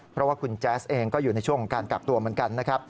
เพราะว่าคุณแจ๊สเองก็อยู่ในช่วงของการกักตัวเหมือนกันนะครับ